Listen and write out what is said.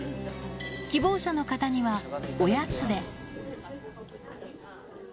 希望者の方にはおやつで。